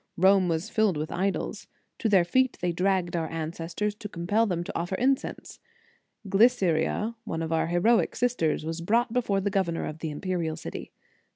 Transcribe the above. Rome was filled with idols. To their feet they dragged our ancestors, to compel them to offer in cense. Glyceria, one of our heroic sisters, was brought before the governor of the imperial city.